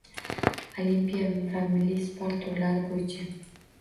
Olimpiya va milliy sport turlari bo‘yicha